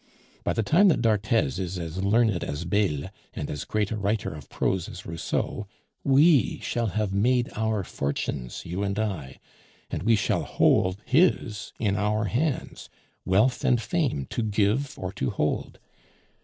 By the time that d'Arthez is as learned as Bayle and as great a writer of prose as Rousseau, we shall have made our fortunes, you and I, and we shall hold his in our hands wealth and fame to give or to hold.